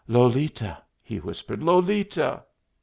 "Lolita!" he whispered. "Lolita!"